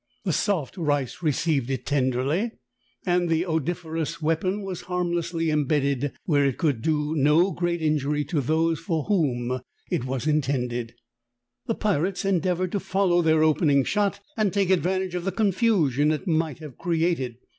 The soft rice received it tenderly, and the odoriferous weapon Avas harmlessly embedded Avhere it could do no great injury to those for Avhom it was intended. "The pirates endeavored to follow their opening shot and take advantage of the confusion it might have created.